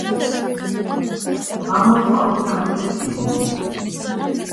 გამოუშვა ოცამდე წიგნი.